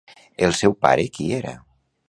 El seu pare qui era?